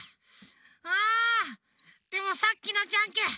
あでもさっきのジャンケン